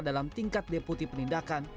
dalam tingkat deputi penindakan